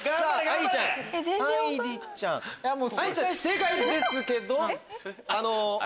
愛梨ちゃん正解ですけどあの。